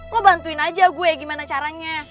lo bantuin aja gue gimana caranya